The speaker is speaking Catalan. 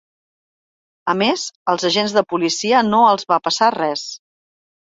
A més, als agents de policia no els va passar res.